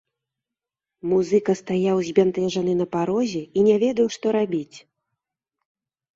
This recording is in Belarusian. Музыка стаяў збянтэжаны на парозе і не ведаў, што рабіць.